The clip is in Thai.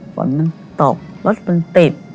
ฝนมันตกรถมันติด